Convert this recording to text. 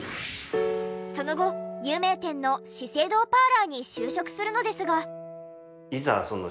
その後有名店の資生堂パーラーに就職するのですが。